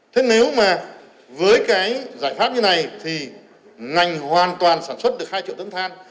thế nếu mà với cái giải pháp như này thì ngành hoàn toàn sản xuất được hai triệu tấn than